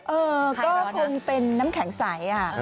เออก็คงเป็นน้ำแข็งใส